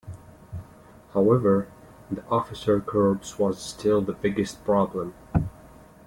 However, the officer corps was still the biggest problem.